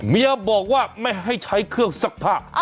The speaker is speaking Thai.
เมียบอกว่าไม่ให้ใช้เครื่องซักผ้า